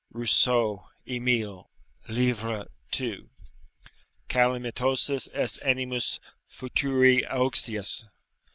[Rousseau, Emile, livre ii.] "Calamitosus est animus futuri auxius."